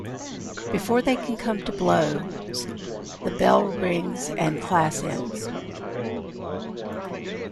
Before they can come to blows, the bell rings and class ends.